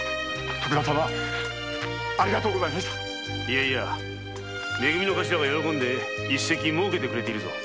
いやいやめ組の頭が一席もうけてくれてるぞ。